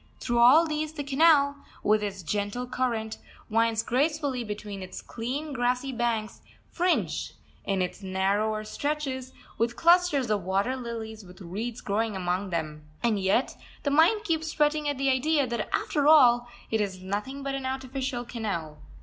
Through all these the canal, with its gentle current, winds gracefully between its clean, grassy banks, fringed, in its narrower stretches, with clusters of water lilies with reeds growing among them. And yet the mind keeps fretting at the idea that after all it is nothing but an artificial canal.